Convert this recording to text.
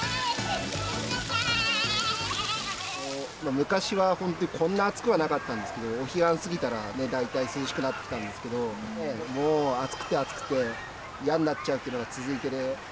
昔は本当に、こんな暑くはなかったんですけど、お彼岸過ぎたら、大体涼しくなってたんですけど、もう暑くて暑くて、嫌になっちゃうっていうのが続いている。